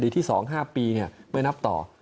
ที่๒๕ปีไม่นับต่อ